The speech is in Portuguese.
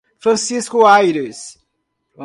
Francisco Ayres